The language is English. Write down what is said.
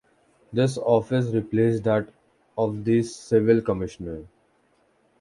This office replaced that of the Civil Commissioner.